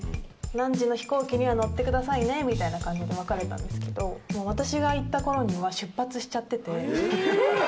何時の飛行機には乗ってくださいねみたいな感じで別れたんですけど、私が行ったころには出発しちゃってて。